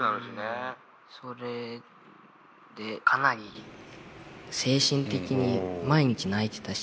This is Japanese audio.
それでかなり精神的に毎日泣いてたし。